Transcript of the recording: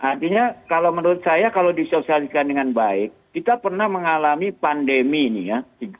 artinya kalau menurut saya kalau disosialisasikan dengan baik kita pernah mengalami pandemi ini ya